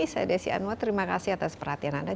saya desi anwar terima kasih atas perhatian anda